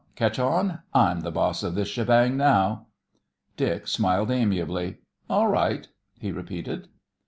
Ketch on? I'm th' boss of this shebang now." Dick smiled amiably. "All right," he repeated.